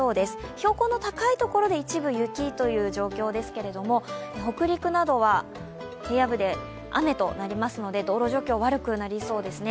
標高の高い所で一部雪という状況ですけれども、北陸などは平野部で雨となりますので道路状況悪くなりそうですね。